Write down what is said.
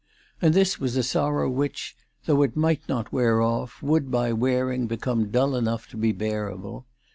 And this was a sorrow which, though it might not wear off, would by wearing become dull enough to be bearable.